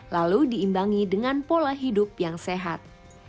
lalu diimbangi dengan pola hidup yang sehat